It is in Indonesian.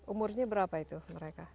umurnya berapa itu mereka